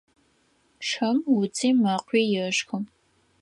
Шым уци мэкъуи ешхы.